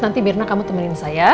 nanti mirna kamu temenin saya